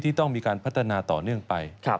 ต้องมีการพัฒนาต่อเนื่องไป